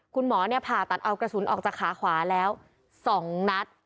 คุณหมอผ่าตัดเอากระสุนออกจากขาขวาแล้ว๒นัด